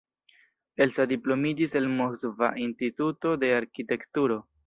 Elsa diplomiĝis el Moskva Instituto de Arkitekturo.